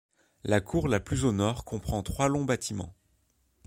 La Cour la plus au Nord comprend trois longs bâtiments.